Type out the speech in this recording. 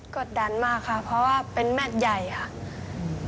กดดันมากค่ะเพราะว่าเป็นแมทใหญ่ค่ะ